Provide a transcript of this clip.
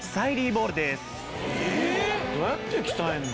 どうやって鍛えるの？